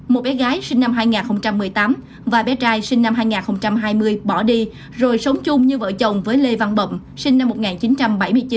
một bé gái sinh năm hai nghìn một mươi tám và bé trai sinh năm hai nghìn hai mươi bỏ đi rồi sống chung như vợ chồng với lê văn bậm sinh năm một nghìn chín trăm bảy mươi chín